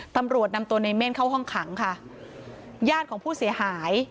ตำรวจนำตัวในเม่นเข้าห้องขังค่ะญาติของผู้เสียหาย